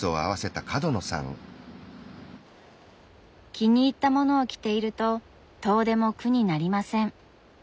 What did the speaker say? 気に入ったものを着ていると遠出も苦になりません。